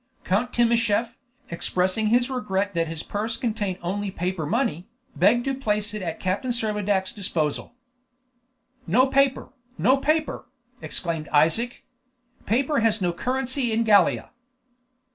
Count Timascheff, expressing his regret that his purse contained only paper money, begged to place it at Captain Servadac's disposal. "No paper, no paper!" exclaimed Isaac. "Paper has no currency in Gallia."